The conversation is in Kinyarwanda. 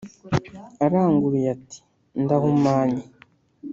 Aranguruye ati ndahumanye.